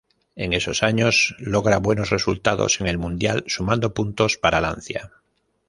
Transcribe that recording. En esos años logra buenos resultados en el mundial sumando puntos para Lancia.